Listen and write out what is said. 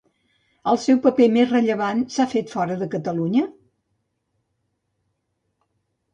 El seu paper més rellevant s'ha fet fora de Catalunya?